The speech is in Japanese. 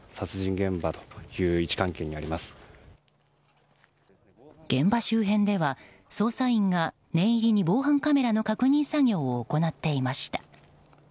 現場周辺では、捜査員が念入りに防犯カメラの確認作業を行っていました。